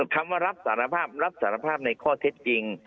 คำว่ารับสารภาพรับสารภาพในข้อเท็จจริง